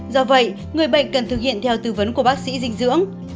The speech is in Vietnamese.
do vậy người bệnh cần thực hiện theo tư vấn của bác sĩ dinh dưỡng